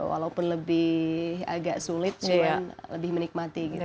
walaupun lebih agak sulit supaya lebih menikmati gitu